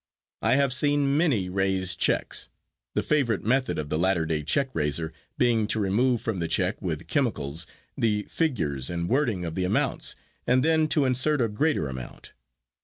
I have seen many raised checks, the favorite method of the latter day check raiser being to remove from the check with chemicals the figures and wording of the amounts, and then to insert a greater amount.